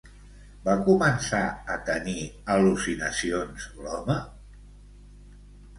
Va començar a tenir al·lucinacions l'home?